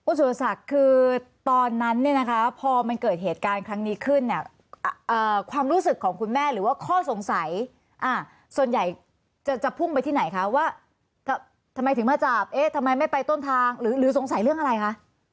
สุรศักดิ์คือตอนนั้นเนี่ยนะคะพอมันเกิดเหตุการณ์ครั้งนี้ขึ้นเนี่ยความรู้สึกของคุณแม่หรือว่าข้อสงสัยส่วนใหญ่จะพุ่งไปที่ไหนคะว่าทำไมถึงมาจับเอ๊ะทำไมไม่ไปต้นทางหรือสงสัยเรื่องอะไรคะ